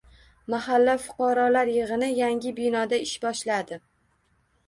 Mahalla fuqarolar yig‘ini yangi binoda ish boshladi